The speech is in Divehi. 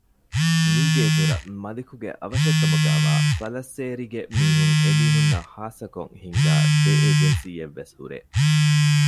މީގެ އިތުރަށް މަލިކުގެ އަވަށެއްކަމުގައިވާ ފަލައްސޭރީގެ މީހުން އެމީހުންނަށް ޚާއްސަކޮށް ހިންގާ ދެ އެޖެންސީއެއްވެސް ހުރޭ